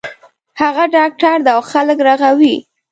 هغه ډاکټر ده او خلک رغوی